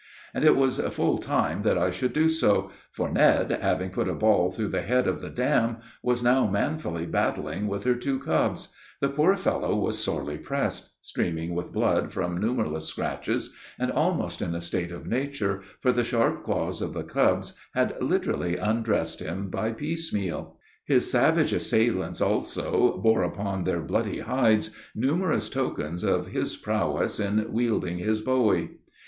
And it was full time that I should do so, for Ned, having put a ball through the head of the dam, was now manfully battling with her two cubs; the poor fellow was sore pressed, streaming with blood from numberless scratches, and almost in a state of nature, for the sharp claws of the cubs had literally undressed him by piecemeal. His savage assailants also, bore upon their bloody hides numerous tokens of his prowess in wielding his bowie.